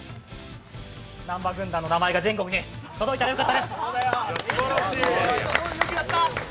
南波軍団の名前が全国に届いたらよかったです！